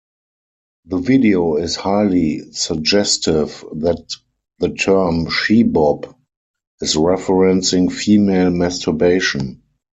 The video is highly suggestive that the term "She Bop" is referencing female masturbation.